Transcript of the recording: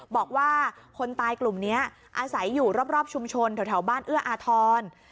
บอกว่าคนตายกลุ่มนี้อาศัยอยู่รอบชุมชนแถวบ้านเอื้ออาทร